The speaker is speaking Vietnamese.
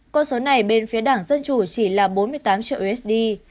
con số này bên phía đảng dân chủ chỉ là bốn mươi tám triệu usd